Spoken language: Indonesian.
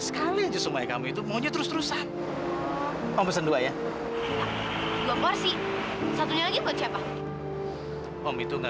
sampai jumpa di video selanjutnya